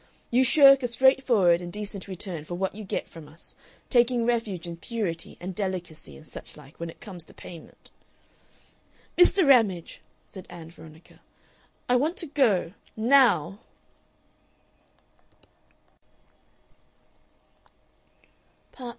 You shirk a straightforward and decent return for what you get from us taking refuge in purity and delicacy and such like when it comes to payment." "Mr. Ramage," said Ann Veronica, "I want to go NOW!"